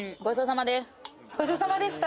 ごちそうさまでした。